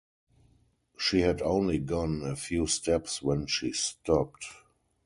She had only gone a few steps when she stopped.